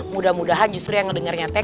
mudah mudahan justru yang ngedengernya teh